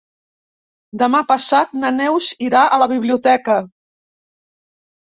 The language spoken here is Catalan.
Demà passat na Neus irà a la biblioteca.